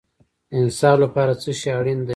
د انصاف لپاره څه شی اړین دی؟